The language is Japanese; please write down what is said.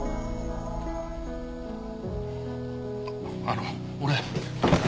あの俺。